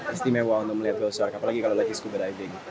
istimewa untuk melihat whale shark apalagi kalau lagi scuba diving